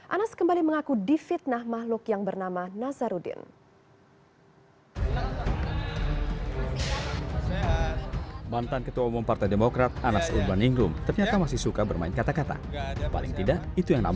anas kembali mengaku di fitnah makhluk yang bernama nazarudin